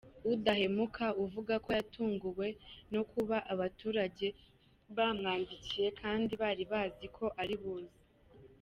Udahemuka uvuga ko yatunguwe no kuba abaturage bamwandikiye kandi bari bazi ko ari buze.